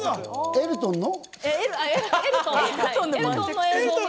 エルトンの？